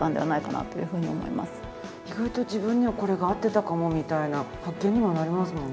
「意外と自分にはこれが合ってたかも」みたいな発見にもなりますもんね。